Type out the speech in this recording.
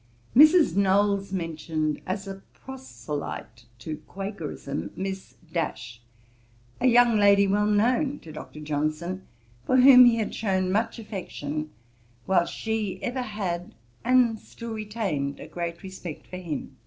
Mrs. Knowles mentioned, as a proselyte to Quakerism, Miss , a young lady well known to Dr. Johnson, for whom he had shewn much affection; while she ever had, and still retained, a great respect for him.